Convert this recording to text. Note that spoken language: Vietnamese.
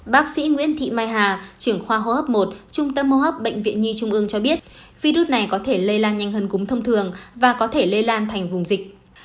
bác sĩ nguyễn thị mai hà trưởng khoa hô hấp một trung tâm hô hấp bệnh viện nhi trung ương cho biết virus này có thể lây lan nhanh hơn cúm thông thường và có thể lây lan thành vùng dịch